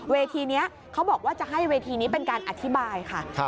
เวทีนี้เขาบอกว่าจะให้เวทีนี้เป็นการอธิบายค่ะ